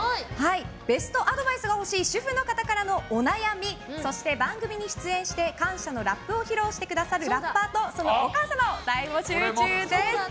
ベストアドバイスが欲しい主婦の方からのお悩みそして番組に出演して感謝のラップを披露してくださるラッパーとそのお母様を大募集中です！